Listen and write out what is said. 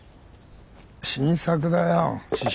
新作だよ。